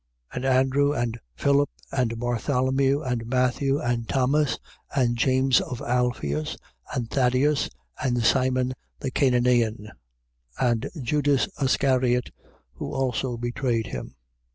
3:18. And Andrew and Philip, and Bartholomew and Matthew, and Thomas and James of Alpheus, and Thaddeus and Simon the Cananean: 3:19. And Judas Iscariot, who also betrayed him.